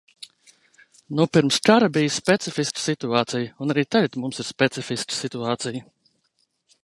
Nu, pirms kara bija specifiska situācija, un arī tagad mums ir specifiska situācija.